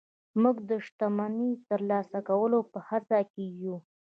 موږ چې د شتمني د ترلاسه کولو په هڅه کې يو.